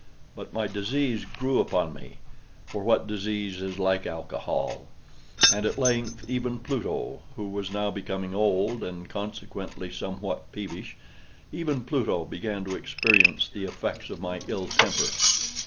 But my disease grew upon me—for what disease is like Alcohol!—and at length even Pluto, who was now becoming old, and consequently somewhat peevish—even Pluto began to experience the effects of my ill temper.